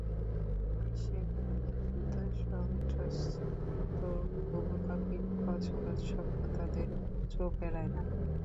কর্নিশের নীড়ে ভীতসন্ত্রস্ত ঘুঘু পাখির খচখচ শব্দ তাদের চোখ এড়ায় না।